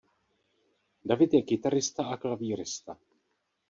David je kytarista a klavírista.